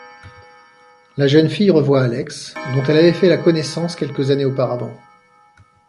La jeune fille revoit Alex, dont elle avait fait la connaissance quelques années auparavant.